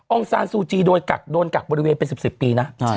องซานซูจีโดยกักโดนกักบริเวณเป็น๑๐ปีนะ